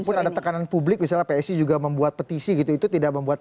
meskipun ada tekanan publik misalnya psi juga membuat petisi gitu itu tidak membuat